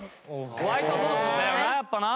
ホワイトソースだよなやっぱな。